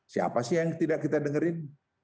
siapa sih yang tidak kita dengerin